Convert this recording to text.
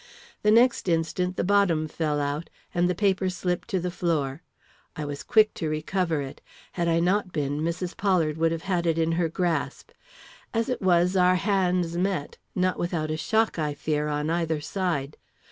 The next instant the bottom fell out, and the paper slipped to the floor. I was quick to recover it. Had I not been, Mrs. Pollard would have had it in her grasp. As it was, our hands met, not without a shock, I fear, on either side.